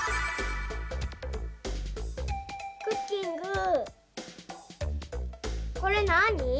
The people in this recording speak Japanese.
クッキングこれなに？